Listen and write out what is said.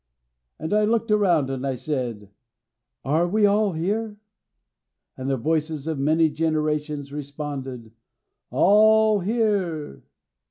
"And I looked around, and I said, 'Are we all here?' And the voices of many generations responded, 'All here!'